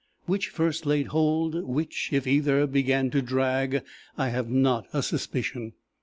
Which first laid hold, which, if either, began to drag, I have not a suspicion.